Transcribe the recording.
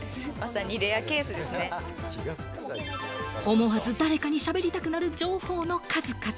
思わず誰かにしゃべりたくなる情報の数々。